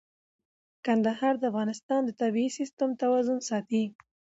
کندهار د افغانستان د طبعي سیسټم توازن ساتي.